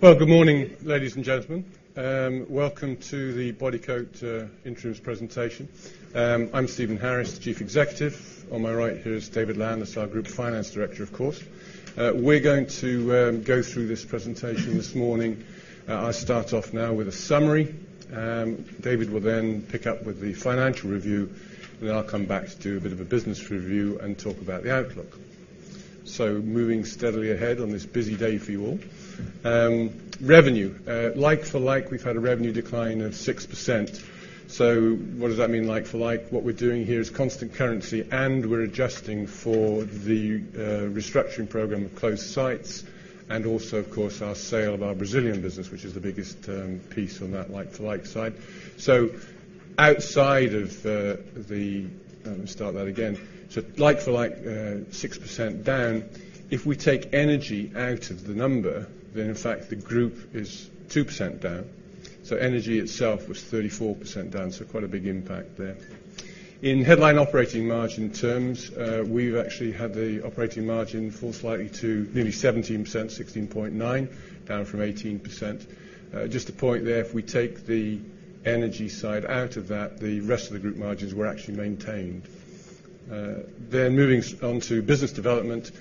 Well, good morning, ladies and gentlemen. Welcome to the Bodycote interim presentation. I'm Stephen Harris, Chief Executive. On my right here is David Landless, our Group Finance Director, of course. We're going to go through this presentation this morning. I'll start off now with a summary. David will then pick up with the financial review, then I'll come back to do a bit of a business review and talk about the outlook. Moving steadily ahead on this busy day for you all. Revenue. Like for like, we've had a revenue decline of 6%. So what does that mean, like for like? What we're doing here is constant currency, and we're adjusting for the restructuring program of closed sites, and also, of course, our sale of our Brazilian business, which is the biggest piece on that like-for-like side. So like for like, 6% down. If we take energy out of the number, then in fact, the group is 2% down. So energy itself was 34% down, so quite a big impact there. In headline operating margin terms, we've actually had the operating margin fall slightly to nearly 17%, 16.9, down from 18%. Just to point there, if we take the energy side out of that, the rest of the group margins were actually maintained. Then moving on to business development,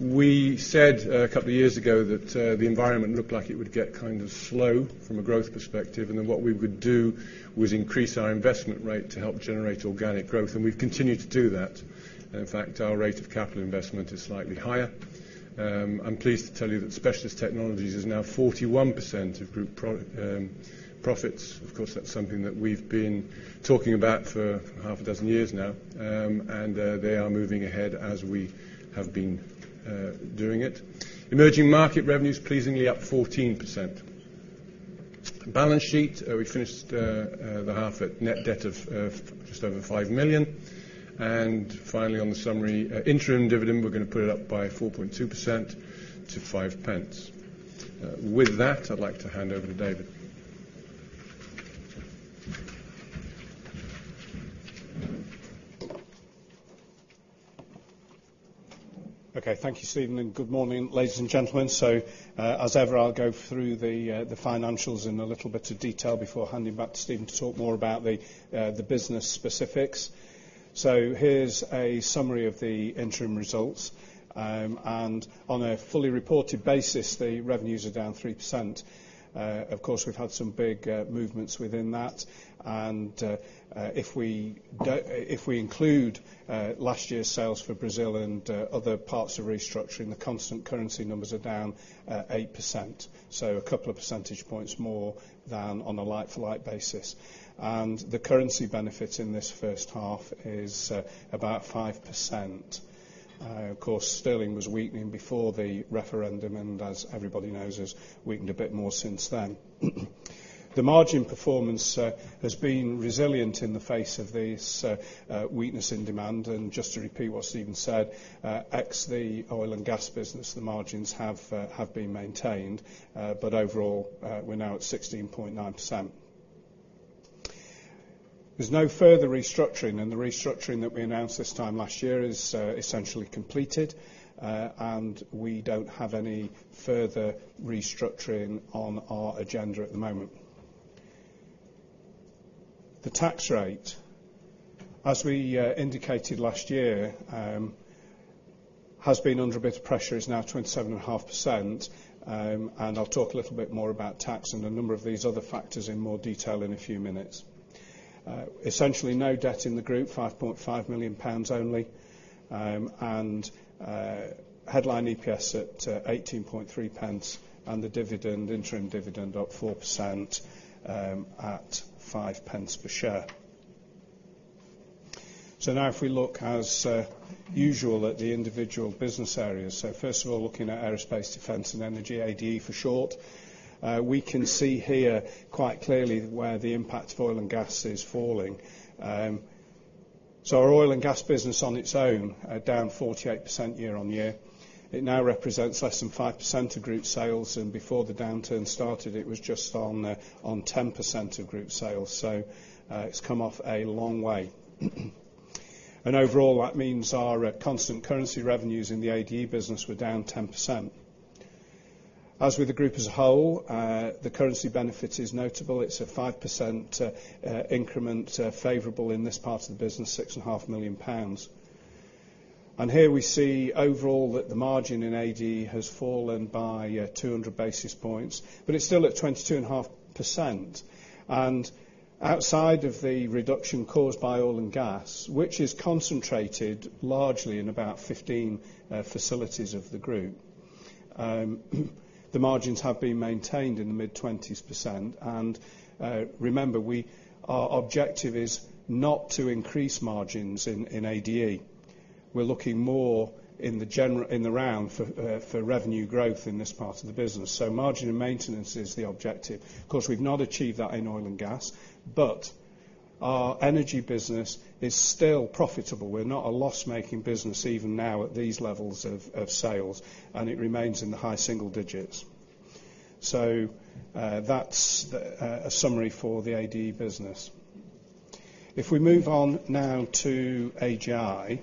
we said a couple of years ago that the environment looked like it would get kind of slow from a growth perspective, and then what we would do was increase our investment rate to help generate organic growth, and we've continued to do that. In fact, our rate of capital investment is slightly higher. I'm pleased to tell you that Specialist Technologies is now 41% of group profits. Of course, that's something that we've been talking about for 6 years now. And they are moving ahead as we have been doing it. Emerging market revenue is pleasingly up 14%. Balance sheet, we finished the half at net debt of just over 5 million. And finally, on the summary, interim dividend, we're going to put it up by 4.2% to 5 pence. With that, I'd like to hand over to David. Okay, thank you, Stephen, and good morning, ladies and gentlemen. So, as ever, I'll go through the financials in a little bit of detail before handing back to Stephen to talk more about the business specifics. So here's a summary of the interim results. On a fully reported basis, the revenues are down 3%. Of course, we've had some big movements within that, and if we include last year's sales for Brazil and other parts of restructuring, the constant currency numbers are down 8%, so a couple of percentage points more than on a like-for-like basis. And the currency benefit in this first half is about 5%. Of course, sterling was weakening before the referendum, and as everybody knows, has weakened a bit more since then. The margin performance has been resilient in the face of this weakness in demand. And just to repeat what Stephen said, ex the oil and gas business, the margins have been maintained, but overall, we're now at 16.9%. There's no further restructuring, and the restructuring that we announced this time last year is essentially completed, and we don't have any further restructuring on our agenda at the moment. The tax rate, as we indicated last year, has been under a bit of pressure, is now 27.5%, and I'll talk a little bit more about tax and a number of these other factors in more detail in a few minutes. Essentially no debt in the group, 5.5 million pounds only, and headline EPS at 18.3 pence, and the dividend, interim dividend, up 4%, at 5 pence per share. So now if we look as usual at the individual business areas. So first of all, looking at Aerospace, Defence and Energy, ADE for short, we can see here quite clearly where the impact of oil and gas is falling. So our oil and gas business on its own are down 48% year-on-year. It now represents less than 5% of group sales, and before the downturn started, it was just on 10% of group sales. So it's come off a long way. And overall, that means our constant currency revenues in the ADE business were down 10%. As with the group as a whole, the currency benefit is notable. It's a 5% increment, favorable in this part of the business, 6.5 million pounds. And here we see overall that the margin in ADE has fallen by 200 basis points, but it's still at 22.5%. And outside of the reduction caused by oil and gas, which is concentrated largely in about 15 facilities of the group, the margins have been maintained in the mid-20s%. And remember, our objective is not to increase margins in ADE. We're looking more in the general, in the round for revenue growth in this part of the business. So margin and maintenance is the objective. Of course, we've not achieved that in oil and gas, but our energy business is still profitable. We're not a loss-making business, even now at these levels of sales, and it remains in the high single digits. So that's a summary for the ADE business. If we move on now to AGI.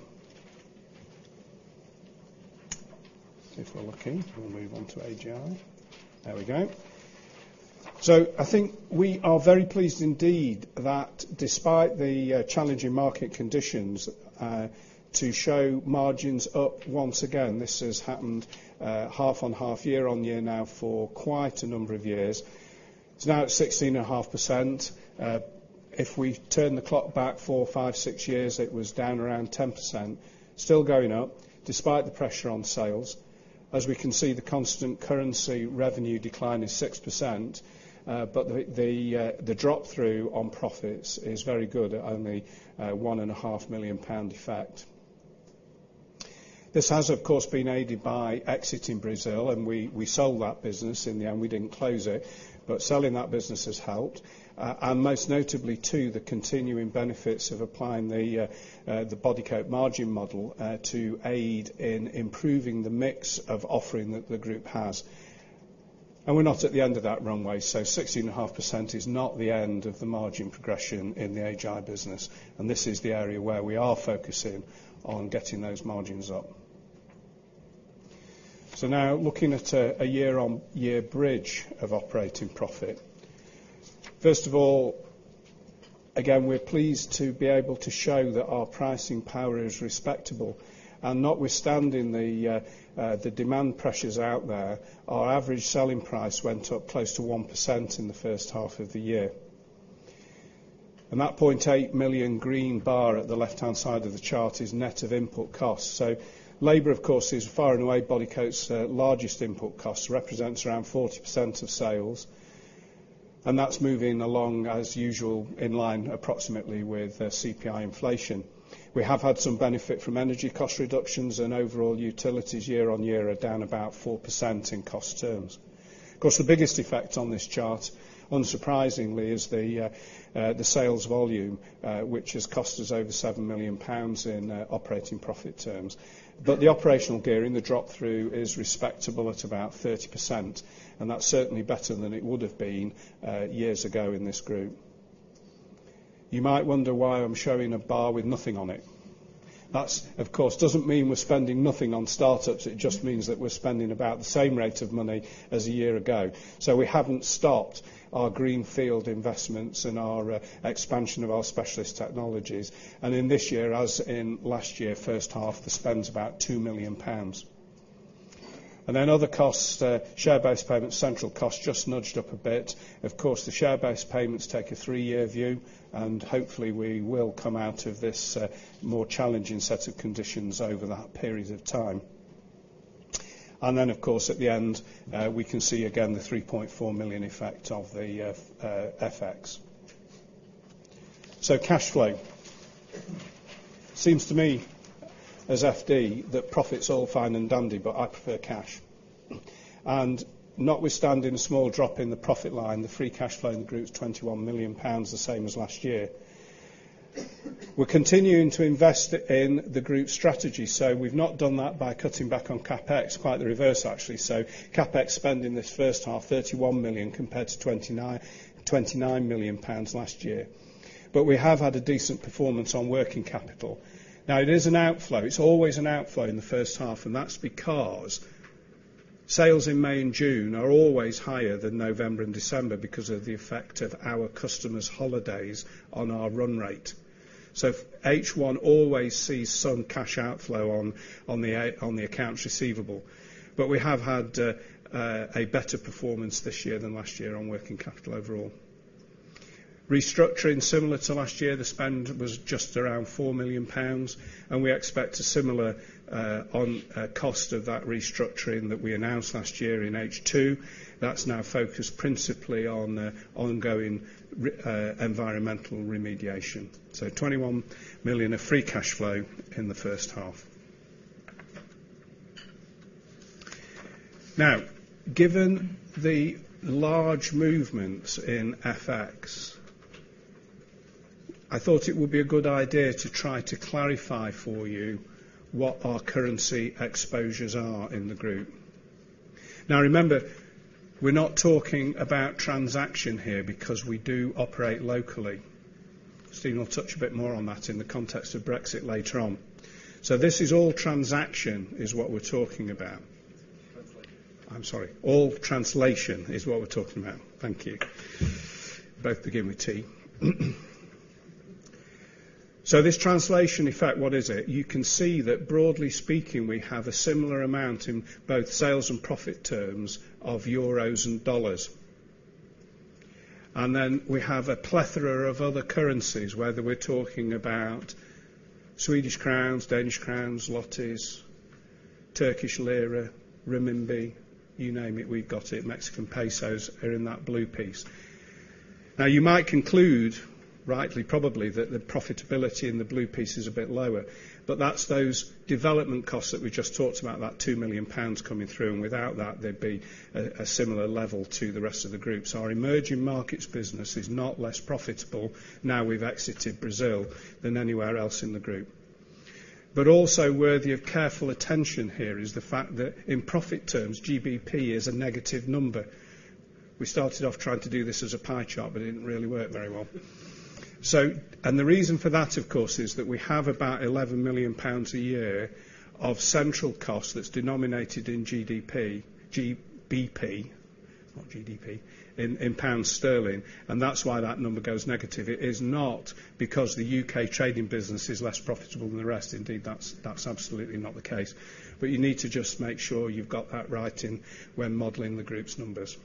So I think we are very pleased indeed that despite the challenging market conditions, to show margins up once again, this has happened half on half year-on-year now for quite a number of years. It's now at 16.5%. If we turn the clock back four, five, six years, it was down around 10%, still going up, despite the pressure on sales. As we can see, the constant currency revenue decline is 6%, but the drop-through on profits is very good at only 1.5 million pound effect. This has, of course, been aided by exiting Brazil, and we sold that business. In the end, we didn't close it, but selling that business has helped. And most notably, too, the continuing benefits of applying the Bodycote margin model to aid in improving the mix of offering that the group has. And we're not at the end of that runway, so 16.5% is not the end of the margin progression in the AGI business, and this is the area where we are focusing on getting those margins up. So now looking at a year-on-year bridge of operating profit. First of all, again, we're pleased to be able to show that our pricing power is respectable, and notwithstanding the demand pressures out there, our average selling price went up close to 1% in the first half of the year. That 0.8 million green bar at the left-hand side of the chart is net of input costs. So labor, of course, is far and away Bodycote's largest input cost, represents around 40% of sales, and that's moving along as usual, in line approximately with CPI inflation. We have had some benefit from energy cost reductions, and overall utilities year-over-year are down about 4% in cost terms. Of course, the biggest effect on this chart, unsurprisingly, is the sales volume, which has cost us over 7 million pounds in operating profit terms. But the operational gearing, the drop-through, is respectable at about 30%, and that's certainly better than it would have been years ago in this group. You might wonder why I'm showing a bar with nothing on it. That, of course, doesn't mean we're spending nothing on startups. It just means that we're spending about the same rate of money as a year ago. So we haven't stopped our greenfield investments and our expansion of our Specialist Technologies. And in this year, as in last year, first half, the spend's about 2 million pounds. And then other costs, share-based payments, central costs just nudged up a bit. Of course, the share-based payments take a three-year view, and hopefully, we will come out of this more challenging set of conditions over that period of time. And then, of course, at the end, we can see again the 3.4 million effect of the FX. So cash flow. Seems to me, as FD, that profit's all fine and dandy, but I prefer cash. And notwithstanding the small drop in the profit line, the free cash flow in the group is 21 million pounds, the same as last year. We're continuing to invest in the group strategy, so we've not done that by cutting back on CapEx. Quite the reverse, actually. So CapEx spend in this first half, 31 million compared to 29, 29 million pounds last year. But we have had a decent performance on working capital. Now, it is an outflow. It's always an outflow in the first half, and that's because sales in May and June are always higher than November and December because of the effect of our customers' holidays on our run rate. So H1 always sees some cash outflow on the accounts receivable, but we have had a better performance this year than last year on working capital overall. Restructuring, similar to last year, the spend was just around 4 million pounds, and we expect a similar cost of that restructuring that we announced last year in H2. That's now focused principally on the ongoing environmental remediation. So 21 million of free cash flow in the first half. Now, given the large movements in FX, I thought it would be a good idea to try to clarify for you what our currency exposures are in the group. Now, remember, we're not talking about transaction here because we do operate locally. Stephen will touch a bit more on that in the context of Brexit later on. So this is all transaction, is what we're talking about. Translation. I'm sorry, all translation is what we're talking about. Thank you. Both begin with T. So this translation, in fact, what is it? You can see that broadly speaking, we have a similar amount in both sales and profit terms of euros and dollars. And then we have a plethora of other currencies, whether we're talking about Swedish crowns, Danish crowns, zlotys, Turkish lira, renminbi, you name it, we've got it, Mexican pesos are in that blue piece. Now, you might conclude, rightly probably, that the profitability in the blue piece is a bit lower, but that's those development costs that we just talked about, that 2 million pounds coming through, and without that, they'd be a similar level to the rest of the group. So our emerging markets business is not less profitable now we've exited Brazil than anywhere else in the group. But also worthy of careful attention here is the fact that in profit terms, GBP is a negative number. We started off trying to do this as a pie chart, but it didn't really work very well. So, and the reason for that, of course, is that we have about 11 million pounds a year of central cost that's denominated in GDP, GBP, not GDP, in, in pound sterling, and that's why that number goes negative. It is not because the UK trading business is less profitable than the rest. Indeed, that's, that's absolutely not the case. But you need to just make sure you've got that right in when modeling the group's numbers.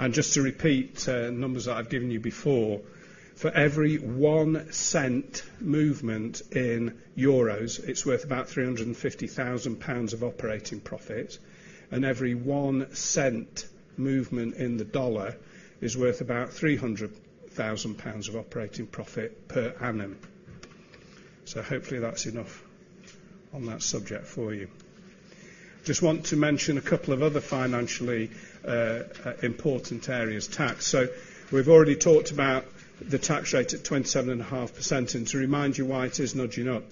And just to repeat, numbers that I've given you before, for every 1 cent movement in EUR, it's worth about 350,000 pounds of operating profit, and every 1 cent movement in the USD is worth about 300,000 pounds of operating profit per annum. So hopefully that's enough on that subject for you. Just want to mention a couple of other financially important areas, tax. So we've already talked about the tax rate at 27.5%, and to remind you why it is nudging up.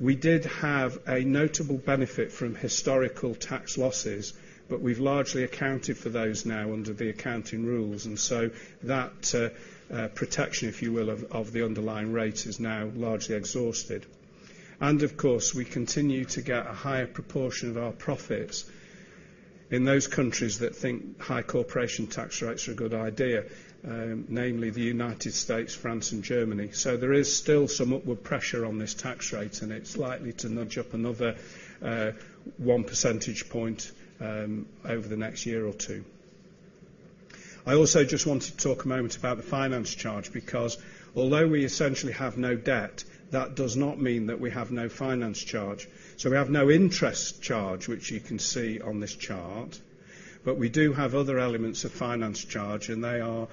We did have a notable benefit from historical tax losses, but we've largely accounted for those now under the accounting rules, and so that protection, if you will, of the underlying rate is now largely exhausted. And of course, we continue to get a higher proportion of our profits in those countries that think high corporation tax rates are a good idea, namely the United States, France, and Germany. So there is still some upward pressure on this tax rate, and it's likely to nudge up another, one percentage point, over the next year or two. I also just wanted to talk a moment about the finance charge, because although we essentially have no debt, that does not mean that we have no finance charge. So we have no interest charge, which you can see on this chart, but we do have other elements of finance charge, and they are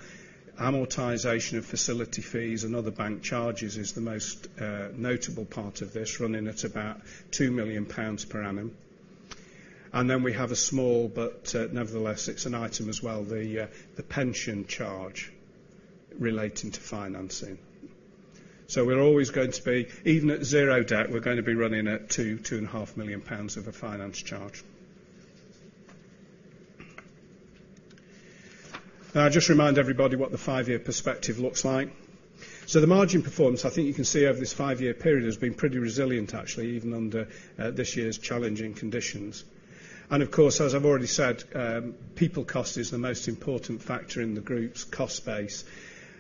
amortization of facility fees and other bank charges is the most, notable part of this, running at about 2 million pounds per annum. Then we have a small, but nevertheless, it's an item as well, the pension charge relating to financing. So we're always going to be, even at zero debt, we're going to be running at 2 million-2.5 million pounds of a finance charge. Now, I just remind everybody what the five-year perspective looks like. So the margin performance, I think you can see over this five-year period, has been pretty resilient, actually, even under this year's challenging conditions. And of course, as I've already said, people cost is the most important factor in the group's cost base.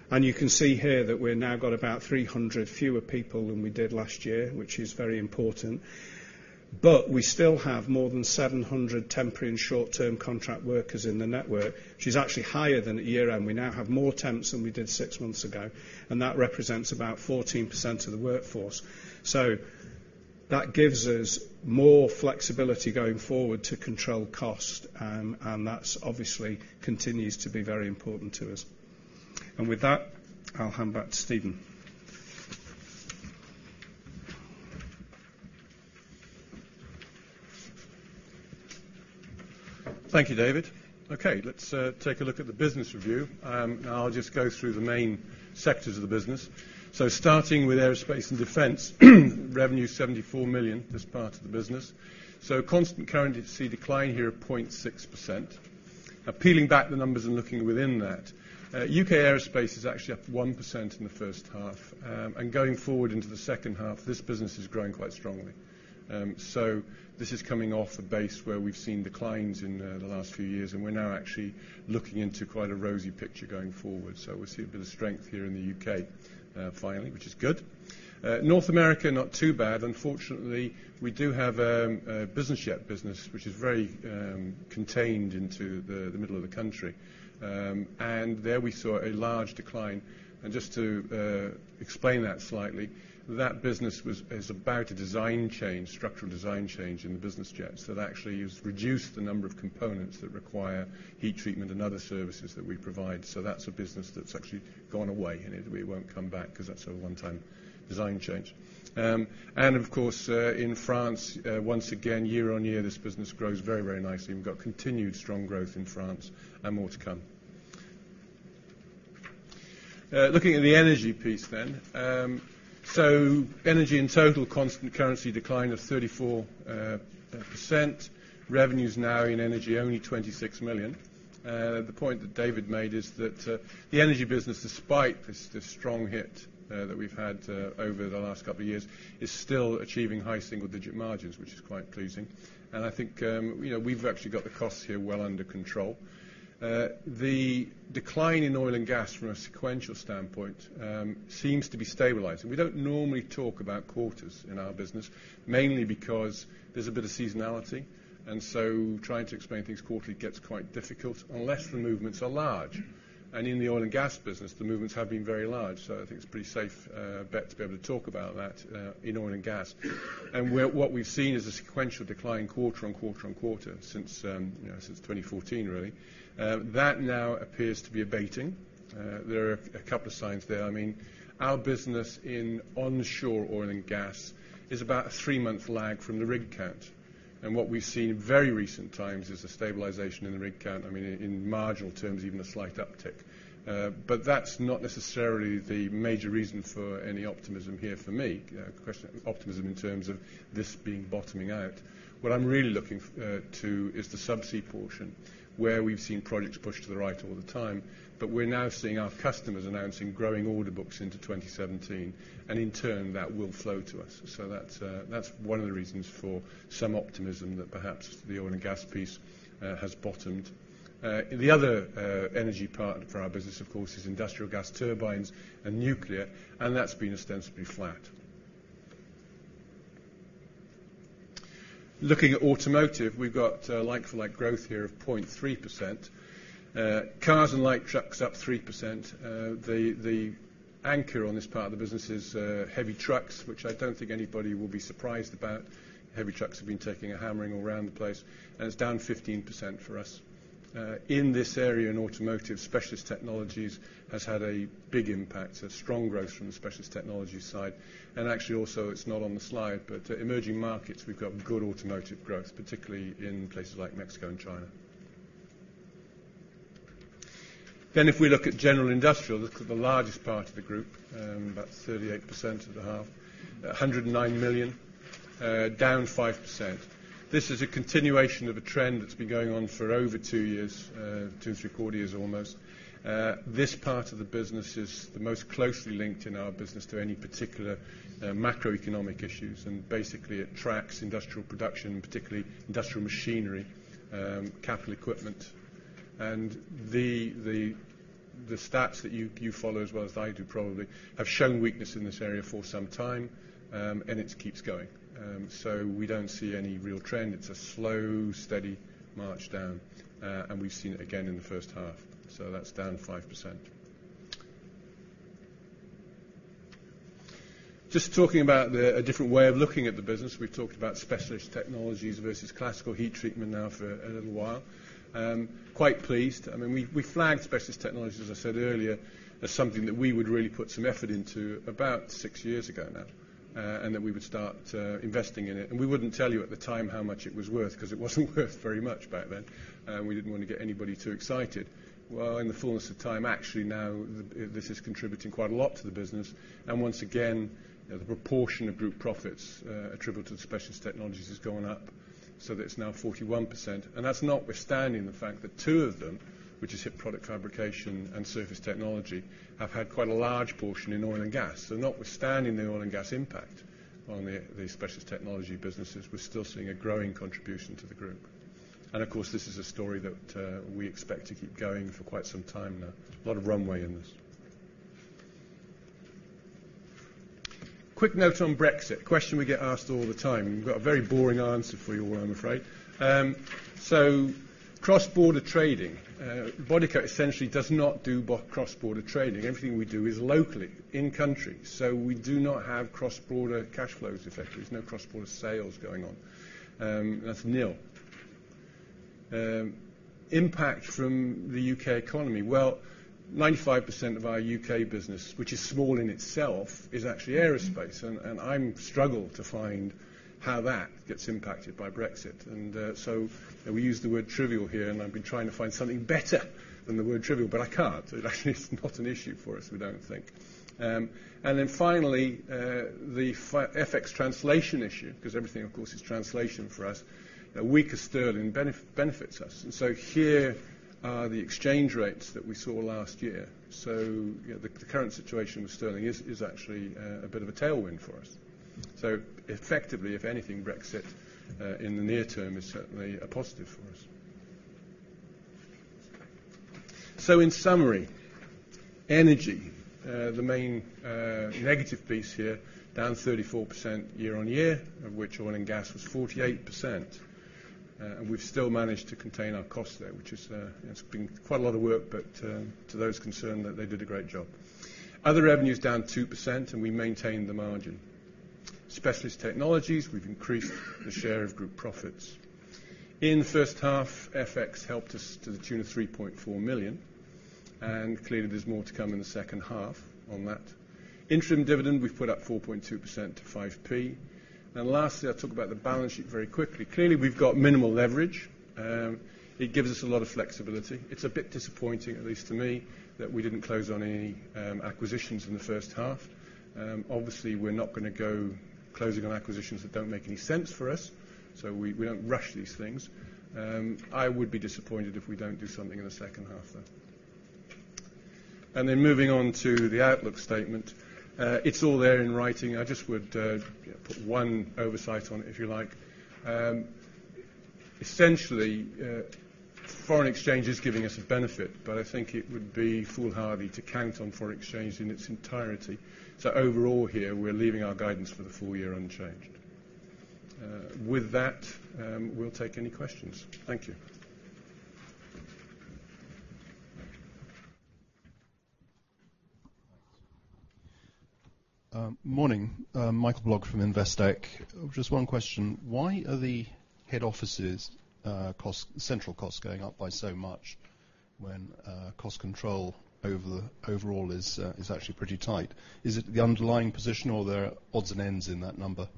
And you can see here that we've now got about 300 fewer people than we did last year, which is very important. But we still have more than 700 temporary and short-term contract workers in the network, which is actually higher than at year-end. We now have more temps than we did six months ago, and that represents about 14% of the workforce. That gives us more flexibility going forward to control cost, and that obviously continues to be very important to us. With that, I'll hand back to Stephen. Thank you, David. Okay, let's take a look at the business review. I'll just go through the main sectors of the business. So starting with Aerospace and Defence, revenue 74 million, this part of the business. So constant currency, decline here of 0.6%. Now peeling back the numbers and looking within that, UK Aerospace is actually up 1% in the first half, and going forward into the second half, this business is growing quite strongly. So this is coming off a base where we've seen declines in the last few years, and we're now actually looking into quite a rosy picture going forward. So we'll see a bit of strength here in the UK, finally, which is good. North America, not too bad. Unfortunately, we do have a business jet business, which is very contained into the middle of the country. And there we saw a large decline. And just to explain that slightly, that business is about a design change, structural design change in the business jets that actually has reduced the number of components that require heat treatment and other services that we provide. So that's a business that's actually gone away, and it won't come back because that's a one-time design change. And of course, in France, once again, year-on-year, this business grows very, very nicely. We've got continued strong growth in France and more to come. Looking at the energy piece then. So energy in total, constant currency decline of 34%. Revenue is now in energy only 26 million. The point that David made is that, the energy business, despite this, this strong hit, that we've had, over the last couple of years, is still achieving high single-digit margins, which is quite pleasing. And I think, you know, we've actually got the costs here well under control. The decline in oil and gas from a sequential standpoint, seems to be stabilizing. We don't normally talk about quarters in our business, mainly because there's a bit of seasonality, and so trying to explain things quarterly gets quite difficult unless the movements are large. And in the oil and gas business, the movements have been very large, so I think it's a pretty safe, bet to be able to talk about that, in oil and gas. And where what we've seen is a sequential decline quarter on quarter on quarter since, you know, since 2014, really. That now appears to be abating. There are a couple of signs there. I mean. Our business in onshore oil and gas is about a three-month lag from the rig count. And what we've seen in very recent times is a stabilization in the rig count, I mean, in marginal terms, even a slight uptick. But that's not necessarily the major reason for any optimism here for me. Question, optimism in terms of this being bottoming out. What I'm really looking to is the subsea portion, where we've seen projects pushed to the right all the time, but we're now seeing our customers announcing growing order books into 2017, and in turn, that will flow to us. So that's, that's one of the reasons for some optimism that perhaps the oil and gas piece has bottomed. The other, energy part for our business, of course, is industrial gas turbines and nuclear, and that's been ostensibly flat. Looking at automotive, we've got, like-for-like growth here of 0.3%. Cars and light trucks up 3%. The, the anchor on this part of the business is, heavy trucks, which I don't think anybody will be surprised about. Heavy trucks have been taking a hammering all around the place, and it's down 15% for us. In this area, in automotive, Specialist Technologies has had a big impact, a strong growth from the Specialist Technologies side. And actually, it's not on the slide, but emerging markets, we've got good automotive growth, particularly in places like Mexico and China. Then, if we look at general industrial, this is the largest part of the group, about 38% of the half, 109 million, down 5%. This is a continuation of a trend that's been going on for over two years, two, three quarters almost. This part of the business is the most closely linked in our business to any particular macroeconomic issues, and basically, it tracks industrial production, particularly industrial machinery, capital equipment. And the stats that you follow, as well as I do, probably, have shown weakness in this area for some time, and it keeps going. So we don't see any real trend. It's a slow, steady march down, and we've seen it again in the first half, so that's down 5%. Just talking about the... A different way of looking at the business. We've talked about Specialist Technologies versus Classical Heat Treatment now for a little while. Quite pleased. I mean, we flagged Specialist Technologies, as I said earlier, as something that we would really put some effort into about six years ago now, and that we would start investing in it. And we wouldn't tell you at the time how much it was worth, 'cause it wasn't worth very much back then, and we didn't want to get anybody too excited. Well, in the fullness of time, actually, now, this is contributing quite a lot to the business. Once again, the proportion of group profits attributable to the Specialist Technologies has gone up, so that it's now 41%, and that's notwithstanding the fact that two of them, which is HIP Product Fabrication and Surface Technology, have had quite a large portion in oil and gas. So notwithstanding the oil and gas impact on the Specialist Technology businesses, we're still seeing a growing contribution to the group. And of course, this is a story that we expect to keep going for quite some time now. A lot of runway in this. Quick note on Brexit. Question we get asked all the time. We've got a very boring answer for you all, I'm afraid. So cross-border trading. Bodycote essentially does not do cross-border trading. Everything we do is locally, in country, so we do not have cross-border cash flows. Effectively, there's no cross-border sales going on. That's nil. Impact from the U.K. economy. Well, 95% of our U.K. business, which is small in itself, is actually aerospace, and I've struggled to find how that gets impacted by Brexit. So we use the word trivial here, and I've been trying to find something better than the word trivial, but I can't. It actually is not an issue for us, we don't think. And then finally, the FX translation issue, because everything, of course, is translation for us. A weaker sterling benefits us, and so here are the exchange rates that we saw last year. So you know, the current situation with sterling is actually a bit of a tailwind for us. So effectively, if anything, Brexit in the near term is certainly a positive for us. So in summary, energy, the main negative piece here, down 34% year-on-year, of which oil and gas was 48%. And we've still managed to contain our costs there, which is, it's been quite a lot of work, but to those concerned that they did a great job. Other revenues down 2%, and we maintained the margin. Specialist Technologies, we've increased the share of group profits. In the first half, FX helped us to the tune of 3.4 million, and clearly, there's more to come in the second half on that. Interim dividend, we've put up 4.2% to 5p. And lastly, I'll talk about the balance sheet very quickly. Clearly, we've got minimal leverage. It gives us a lot of flexibility. It's a bit disappointing, at least to me, that we didn't close on any acquisitions in the first half. Obviously, we're not gonna go closing on acquisitions that don't make any sense for us, so we don't rush these things. I would be disappointed if we don't do something in the second half, though. Then, moving on to the outlook statement. It's all there in writing. I just would put one oversight on it, if you like. Essentially, foreign exchange is giving us a benefit, but I think it would be foolhardy to count on foreign exchange in its entirety. Overall, here, we're leaving our guidance for the full year unchanged. With that, we'll take any questions. Thank you. ... Morning. Michael Blogg from Investec. Just one question: Why are the head office costs, central costs going up by so much when cost control over the overall is actually pretty tight? Is it the underlying position, or are there odds and ends in that number?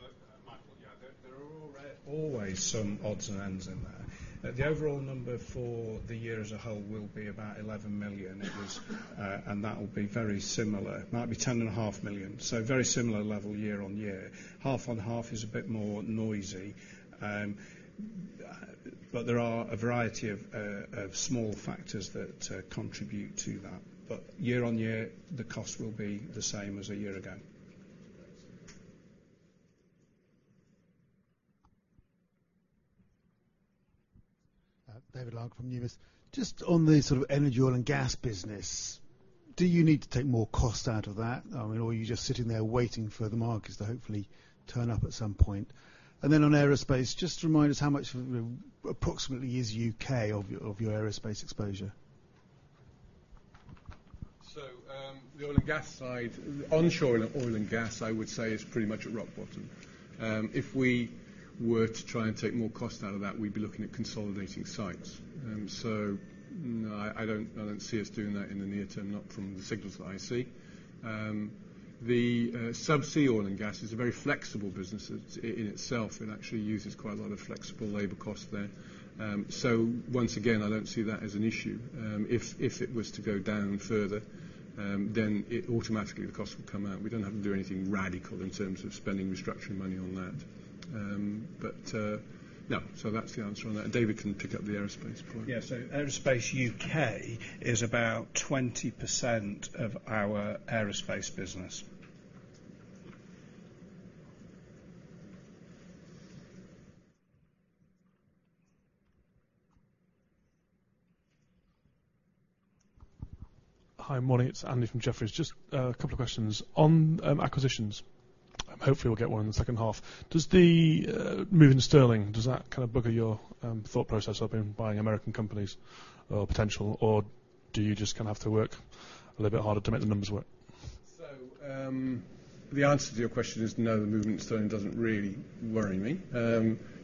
Well, Michael, yeah, there are always some odds and ends in there. But the overall number for the year as a whole will be about 11 million. It was, and that will be very similar. Might be 10.5 million, so very similar level year-over-year. Half on half is a bit more noisy. But there are a variety of small factors that contribute to that. But year-over-year, the cost will be the same as a year ago. Thanks. David Larkam from Numis Securities. Just on the sort of energy oil and gas business, do you need to take more cost out of that? I mean, or are you just sitting there waiting for the markets to hopefully turn up at some point? And then on aerospace, just remind us how much of the, approximately, is UK of your, of your aerospace exposure. So, the oil and gas side, onshore oil and gas, I would say, is pretty much at rock bottom. If we were to try and take more cost out of that, we'd be looking at consolidating sites. So no, I don't see us doing that in the near term, not from the signals that I see. The subsea oil and gas is a very flexible business. It, in itself, actually uses quite a lot of flexible labor cost there. So once again, I don't see that as an issue. If it was to go down further, then it automatically, the cost will come out. We don't have to do anything radical in terms of spending restructuring money on that. But no. So that's the answer on that, and David can pick up the aerospace point. Yeah, so aerospace U.K. is about 20% of our aerospace business. Hi, morning, it's Andy from Jefferies. Just a couple of questions. On acquisitions, hopefully, we'll get one in the second half. Does the move in sterling, does that kind of bugger your thought process up in buying American companies or potential? Or do you just kind of have to work a little bit harder to make the numbers work? So, the answer to your question is no, the movement in sterling doesn't really worry me.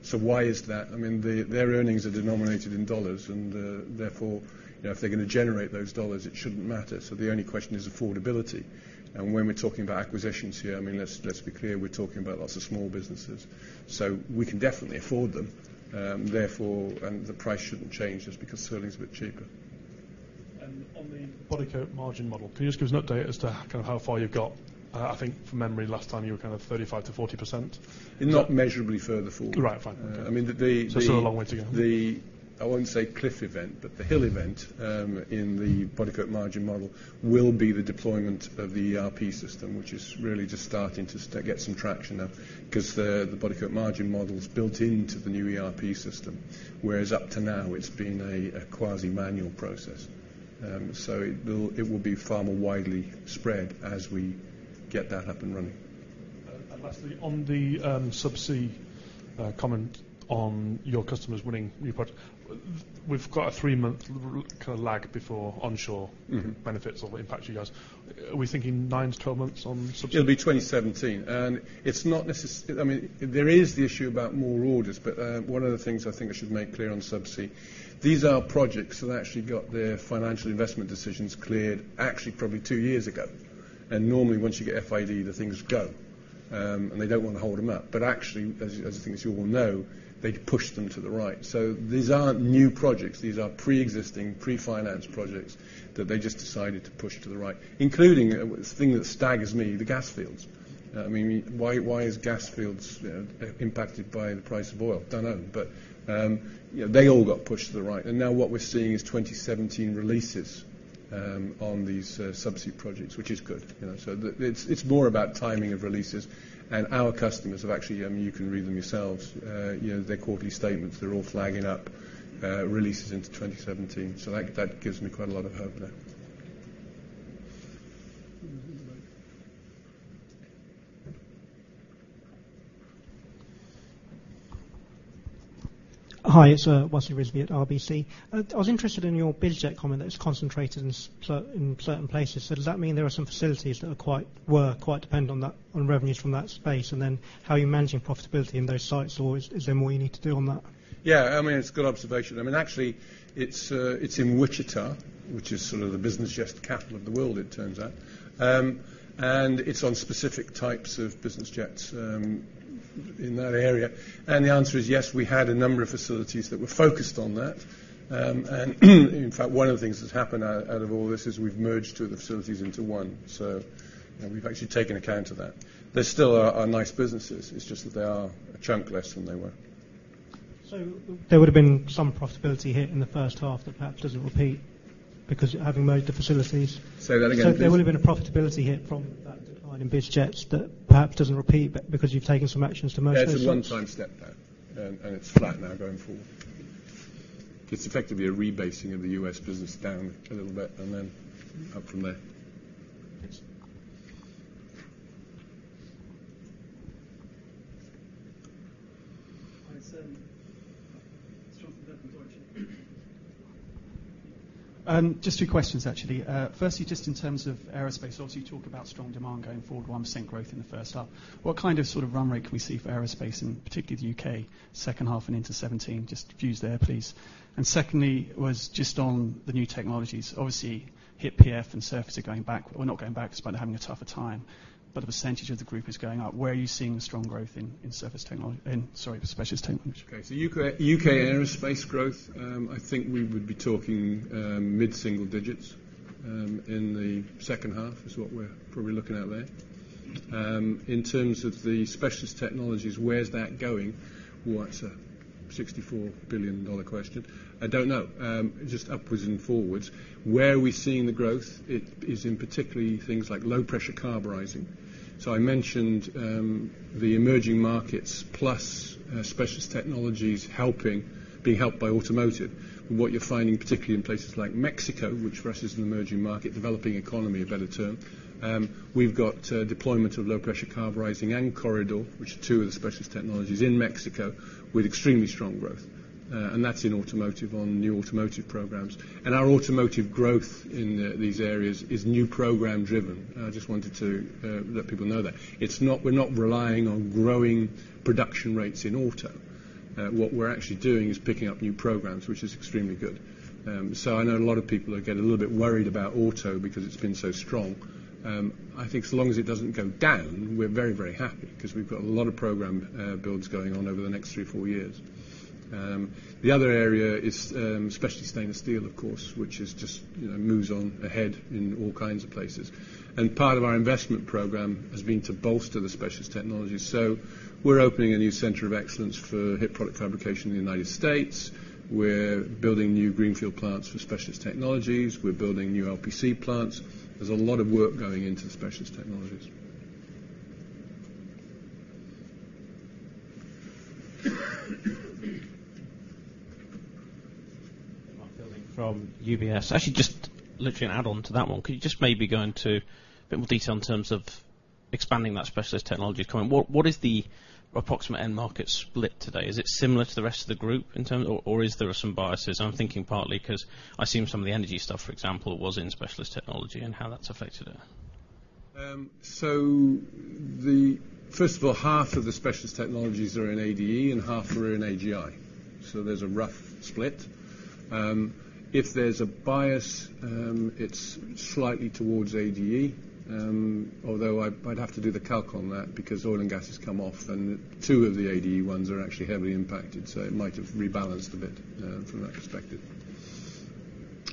So why is that? I mean, their earnings are denominated in dollars, and therefore, you know, if they're going to generate those dollars, it shouldn't matter. So the only question is affordability. And when we're talking about acquisitions here, I mean, let's be clear, we're talking about lots of small businesses. So we can definitely afford them. Therefore, the price shouldn't change just because sterling is a bit cheaper. On the Bodycote margin model, can you just give us an update as to kind of how far you've got? I think from memory, last time you were kind of 35%-40%. Not measurably further forward. Right. Fine. Okay. I mean, the- Still a long way to go. I wouldn't say cliff event, but the hill event in the Bodycote margin model will be the deployment of the ERP system, which is really just starting to get some traction now, 'cause the Bodycote margin model is built into the new ERP system, whereas up to now, it's been a quasi-manual process. So it will be far more widely spread as we get that up and running. And lastly, on the subsea comment on your customers winning new projects, we've got a three-month kind of lag before onshore- Mm-hmm. -benefits or the impact to you guys? Are we thinking 9-12 months on subsea? It'll be 2017, I mean, there is the issue about more orders, but one of the things I think I should make clear on subsea, these are projects that actually got their financial investment decisions cleared actually probably two years ago. And normally, once you get FID, the things go, and they don't want to hold them up. But actually, as you, as I think as you all know, they've pushed them to the right. So these aren't new projects. These are pre-existing, pre-financed projects that they just decided to push to the right, including the thing that staggers me, the gas fields. I mean, why, why is gas fields impacted by the price of oil? Don't know. But, yeah, they all got pushed to the right, and now what we're seeing is 2017 releases on these subsea projects, which is good, you know. So, it's more about timing of releases, and our customers have actually, you can read them yourselves, you know, their quarterly statements, they're all flagging up releases into 2017. So that gives me quite a lot of hope there. Mm-hmm. Hi, it's Wasi Rizvi at RBC. I was interested in your business comment that's concentrated in certain places. So does that mean there are some facilities that were quite dependent on that, on revenues from that space, and then how are you managing profitability in those sites, or is there more you need to do on that? Yeah, I mean, it's a good observation. I mean, actually, it's in Wichita, which is sort of the business jet capital of the world, it turns out. And it's on specific types of business jets, in that area. And the answer is yes, we had a number of facilities that were focused on that. And, in fact, one of the things that's happened out of all this is we've merged two of the facilities into one. So, you know, we've actually taken account of that. They still are nice businesses. It's just that they are a chunk less than they were. So there would have been some profitability hit in the first half that perhaps doesn't repeat because having merged the facilities? Say that again, please. There would have been a profitability hit from that decline in biz jets that perhaps doesn't repeat, but because you've taken some actions to merge those ones. Yeah, it's a one-time step down, and it's flat now going forward. It's effectively a rebasing of the U.S. business down a little bit and then up from there. Thanks. Just two questions, actually. Firstly, just in terms of aerospace, obviously, you talked about strong demand going forward, 1% growth in the first half. What kind of sort of run rate can we see for aerospace, and particularly the U.K., second half and into 2017? Just views there, please. And secondly, was just on the new technologies. Obviously, HIP, PF, and surface are going back—or not going back, but they're having a tougher time, but the percentage of the group is going up. Where are you seeing the strong growth in Surface Technology, sorry, the specialist technology? Okay, so U.K., U.K. aerospace growth, I think we would be talking, mid-single digits, in the second half is what we're probably looking at there. In terms of the Specialist Technologies, where is that going? Well, that's a $64 billion question. I don't know. Just upwards and forwards. Where are we seeing the growth? It is in particular things like Low Pressure Carburising. So I mentioned, the emerging markets, plus, Specialist Technologies helping, being helped by automotive. And what you're finding, particularly in places like Mexico, which for us is an emerging market, developing economy, a better term, we've got, deployment of Low Pressure Carburising and Corr-I-Dur, which are two of the Specialist Technologies in Mexico with extremely strong growth. And that's in automotive on new automotive programs. And our automotive growth in, these areas is new program-driven. I just wanted to let people know that. It's not... We're not relying on growing production rates in auto. What we're actually doing is picking up new programs, which is extremely good. So I know a lot of people are getting a little bit worried about auto because it's been so strong. I think as long as it doesn't go down, we're very, very happy because we've got a lot of program builds going on over the next 3-4 years. The other area is specialist stainless steel, of course, which is just, you know, moves on ahead in all kinds of places. And part of our investment program has been to bolster the Specialist Technologies, so we're opening a new center of excellence for HIP product fabrication in the United States. We're building new greenfield plants for Specialist Technologies. We're building new LPC plants. There's a lot of work going into the Specialist Technologies. Mark Fielding from UBS. Actually, just literally an add-on to that one. Could you just maybe go into a bit more detail in terms of expanding that specialist technology coming? What, what is the approximate end market split today? Is it similar to the rest of the group in terms, or, or is there some biases? I'm thinking partly 'cause I've seen some of the energy stuff, for example, was in specialist technology and how that's affected it. First of all, half of the Specialist Technologies are in ADE, and half are in AGI. So there's a rough split. If there's a bias, it's slightly towards ADE, although I, I'd have to do the calc on that because oil and gas has come off, and two of the ADE ones are actually heavily impacted, so it might have rebalanced a bit, from that perspective.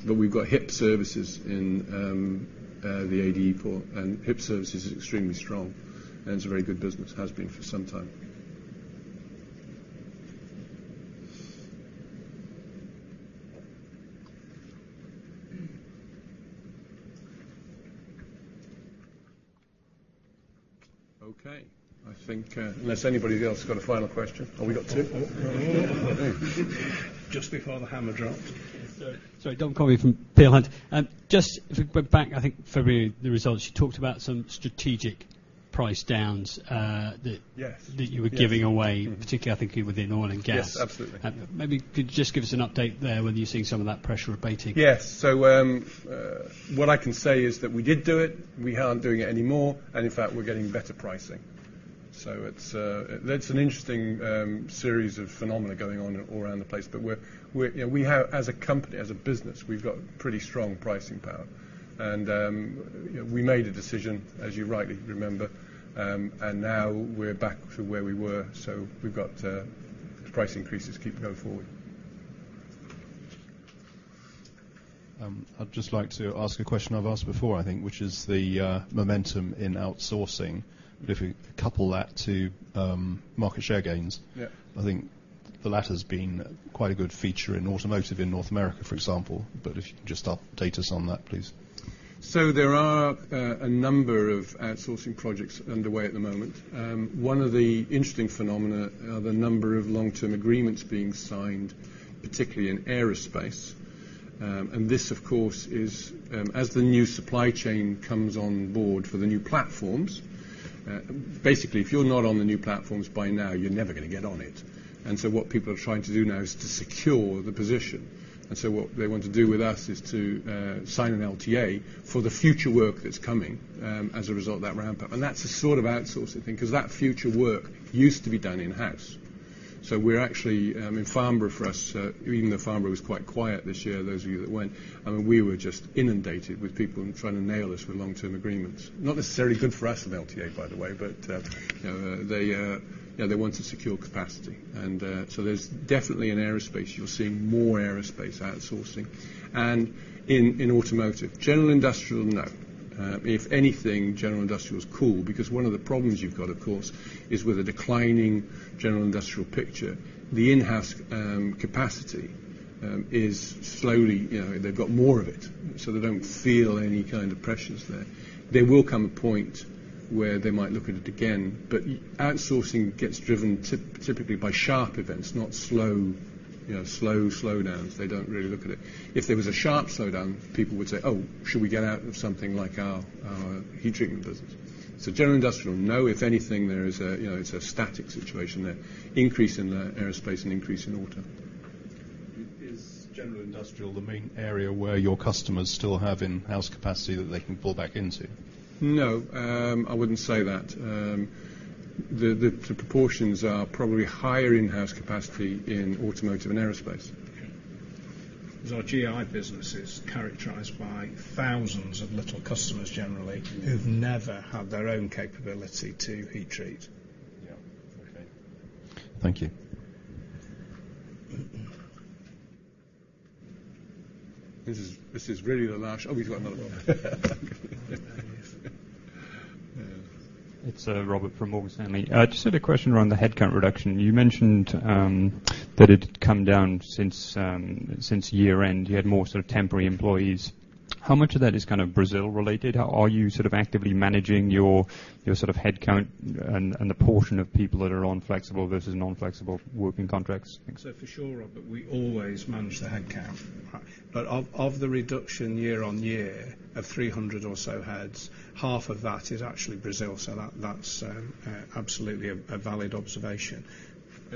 But we've got HIP Services in the ADE port, and HIP Services is extremely strong, and it's a very good business, has been for some time. Okay, I think, unless anybody else has got a final question? Oh, we got two. Oh, oh. Just before the hammer drops. Sorry, Henry Carver from Peel Hunt. Just if we go back, I think, for me, the results, you talked about some strategic price downs. Yes. that you were giving away, particularly, I think, within oil and gas. Yes, absolutely. Maybe could you just give us an update there, whether you're seeing some of that pressure abating? Yes. So, what I can say is that we did do it, we aren't doing it anymore, and in fact, we're getting better pricing. So it's, that's an interesting series of phenomena going on all around the place, but we're, you know, we have as a company, as a business, we've got pretty strong pricing power. And, we made a decision, as you rightly remember, and now we're back to where we were, so we've got, price increases keeping going forward. I'd just like to ask a question I've asked before, I think, which is the momentum in outsourcing. But if we couple that to market share gains- Yeah. I think the latter's been quite a good feature in automotive in North America, for example. But if you could just update us on that, please. So there are a number of outsourcing projects underway at the moment. One of the interesting phenomena are the number of long-term agreements being signed, particularly in aerospace. And this, of course, is as the new supply chain comes on board for the new platforms. Basically, if you're not on the new platforms by now, you're never gonna get on it. And so what people are trying to do now is to secure the position. And so what they want to do with us is to sign an LTA for the future work that's coming as a result of that ramp up. And that's a sort of outsourcing thing, 'cause that future work used to be done in-house. So we're actually in Farnborough for us, even though Farnborough was quite quiet this year, those of you that went, I mean, we were just inundated with people trying to nail us for long-term agreements. Not necessarily good for us in LTA, by the way, but, you know, they want to secure capacity. And so there's definitely in aerospace, you're seeing more aerospace outsourcing. And in automotive. General industrial, no. If anything, general industrial is cool, because one of the problems you've got, of course, is with a declining general industrial picture, the in-house capacity is slowly... You know, they've got more of it, so they don't feel any kind of pressures there. There will come a point where they might look at it again, but outsourcing gets driven typically by sharp events, not slow, you know, slow slowdowns. They don't really look at it. If there was a sharp slowdown, people would say, "Oh, should we get out of something like our, our heat treatment business?" So general industrial, no, if anything, there is a, you know, it's a static situation there. Increase in the aerospace and increase in auto. Is general industrial the main area where your customers still have in-house capacity that they can pull back into? No, I wouldn't say that. The proportions are probably higher in-house capacity in automotive and aerospace. Okay. Because our GI business is characterized by thousands of little customers generally, who've never had their own capability to heat treat. Yeah. Okay. Thank you. This is really the last... Oh, we've got another one. It's Robert from Morgan Stanley. I just had a question around the headcount reduction. You mentioned that it'd come down since year end. You had more sort of temporary employees. How much of that is kind of Brazil related? Are you sort of actively managing your sort of headcount and the portion of people that are on flexible versus non-flexible working contracts? So for sure, Robert, we always manage the headcount. But of the reduction year-on-year of 300 or so heads, half of that is actually Brazil, so that's absolutely a valid observation.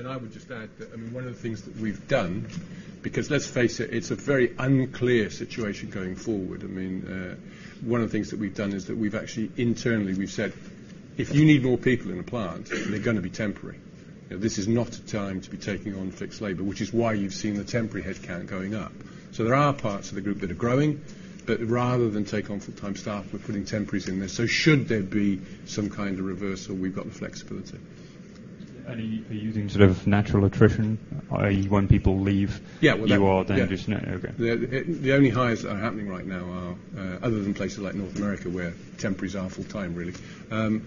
I would just add that, I mean, one of the things that we've done, because let's face it, it's a very unclear situation going forward. I mean, one of the things that we've done is that we've actually, internally, we've said, "If you need more people in the plant, they're gonna be temporary." You know, this is not a time to be taking on fixed labor, which is why you've seen the temporary headcount going up. So there are parts of the group that are growing, but rather than take on full-time staff, we're putting temporaries in there. So should there be some kind of reversal, we've got the flexibility. Are you using sort of natural attrition, when people leave- Yeah Okay. The only hires that are happening right now are other than places like North America, where temporaries are full-time really, you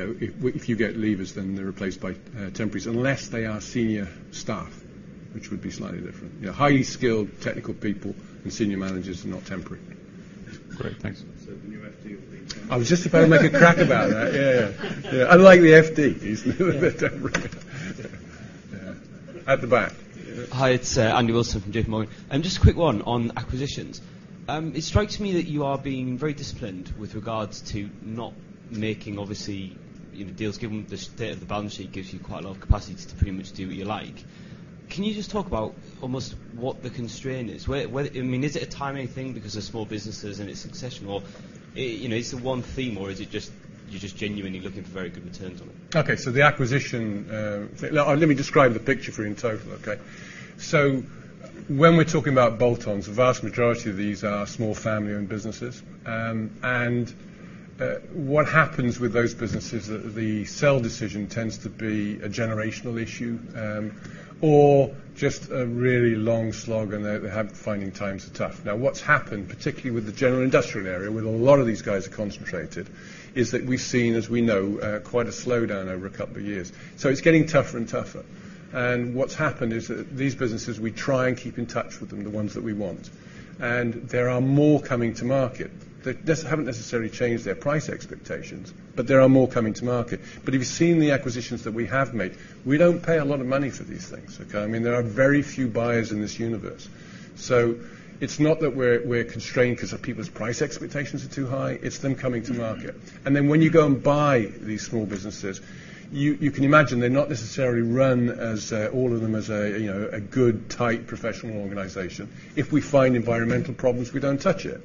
know, if you get leavers, then they're replaced by temporaries, unless they are senior staff, which would be slightly different. Yeah, highly skilled technical people and senior managers are not temporary. Great, thanks. So the new FD will be- I was just about to make a crack about that. Yeah. Yeah. Unlike the FD, he's a bit temporary. At the back. Hi, it's Andrew Wilson from J.P. Morgan. And just a quick one on acquisitions. It strikes me that you are being very disciplined with regards to not making, obviously, you know, deals, given the state of the balance sheet, gives you quite a lot of capacity to pretty much do what you like. Can you just talk about almost what the constraint is? Where... I mean, is it a timing thing because they're small businesses and it's succession, or, you know, is it one theme, or is it just, you're just genuinely looking for very good returns on it? Okay. So the acquisition, let me describe the picture for you in total, okay? So when we're talking about bolt-ons, the vast majority of these are small, family-owned businesses. And what happens with those businesses is that the sell decision tends to be a generational issue, or just a really long slog, and they have finding times are tough. Now, what's happened, particularly with the general industrial area, where a lot of these guys are concentrated, is that we've seen, as we know, quite a slowdown over a couple of years. So it's getting tougher and tougher. And what's happened is that these businesses, we try and keep in touch with them, the ones that we want, and there are more coming to market. They haven't necessarily changed their price expectations, but there are more coming to market. But if you've seen the acquisitions that we have made, we don't pay a lot of money for these things, okay? I mean, there are very few buyers in this universe. So it's not that we're constrained because of people's price expectations are too high, it's them coming to market. And then, when you go and buy these small businesses, you can imagine they're not necessarily run as all of them as a, you know, a good, tight, professional organization. If we find environmental problems, we don't touch it.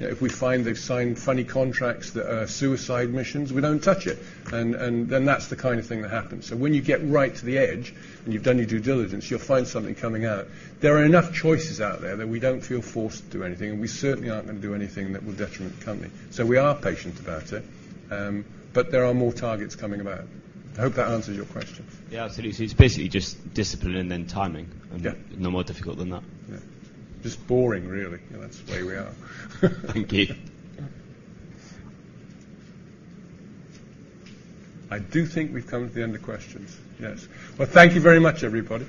If we find they've signed funny contracts that are suicide missions, we don't touch it. And then, that's the kind of thing that happens. So when you get right to the edge, and you've done your due diligence, you'll find something coming out. There are enough choices out there that we don't feel forced to do anything, and we certainly aren't going to do anything that will detriment the company. So we are patient about it, but there are more targets coming about. I hope that answers your question. Yeah, absolutely. So it's basically just discipline and then timing. Yeah. No more difficult than that. Yeah. Just boring, really. That's the way we are. Thank you. I do think we've come to the end of questions. Yes. Well, thank you very much, everybody.